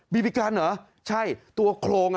บีบีกันเหรอใช่ตัวโครงอ่ะ